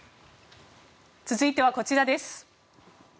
続いてはこちらです。